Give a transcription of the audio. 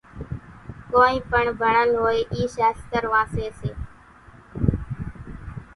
ڪونئين پڻ ڀڻل هوئيَ اِي شاستر وانسيَ سي۔